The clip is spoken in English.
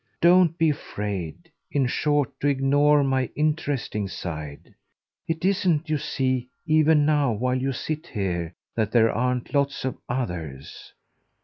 Don't be afraid, in short, to ignore my 'interesting' side. It isn't, you see, even now while you sit here, that there aren't lots of others.